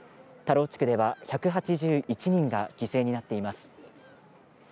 田老地区では１８１人が犠牲になっています。